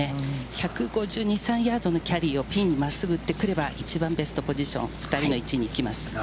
１５２３ヤードのキャリーをピンまっすぐ打ってくれば、一番ベストポジションに行きます。